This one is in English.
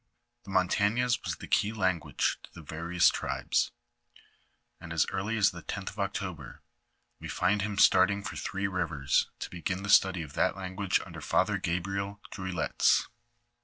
The Montagnais was the key language to the various tribes, and as early as the tenth of October,* we find him starting for Three Kivers to begin the study of that language under Father Gabriel Druilletes.